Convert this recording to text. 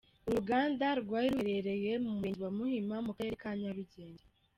Uru ruganda rwari ruherereye mu murenge wa Muhima mu karere ka Nyarugenge.